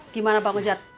gimana bang ujak